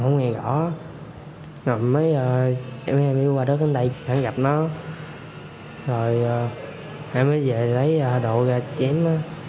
không nghe rõ rồi mới em với em đi qua đất đến đây gặp nó rồi em mới về lấy đồ ra chém